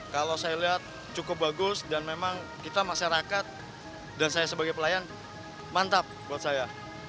kalau saya lihat cukup bagus dan memang kita masyarakat dan saya sebagai pelayan mantap buat saya